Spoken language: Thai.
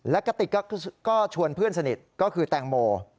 และกระติกก็ชวนเพื่อนสนิทก็คือแตงโม